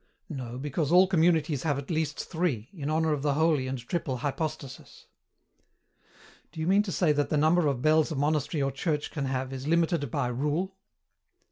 "No, because all communities have at least three, in honour of the holy and triple Hypostasis." "Do you mean to say that the number of bells a monastery or church can have is limited by rule?"